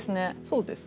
そうです。